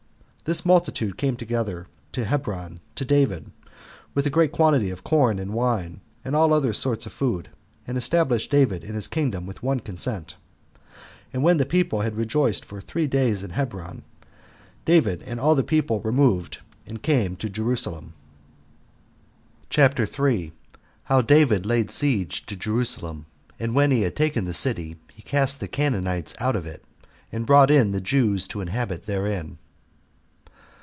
This multitude came together to Hebron to David, with a great quantity of corn, and wine, and all other sorts of food, and established David in his kingdom with one consent. And when the people had rejoiced for three days in Hebron, David and all the people removed and came to Jerusalem. CHAPTER 3. How David Laid Siege To Jerusalem; And When He Had Taken The City, He Cast The Canaanites Out Of It, And Brought In The Jews To Inhabit Therein.